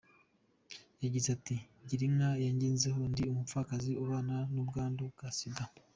Yagize ati "Girinka yangezeho ndi umupfakazi ubana n’ubwandu bwa Sida.